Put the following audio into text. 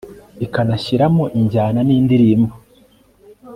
ikanashyiramo injyana nindirimbo